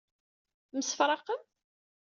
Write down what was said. Temsefraqem?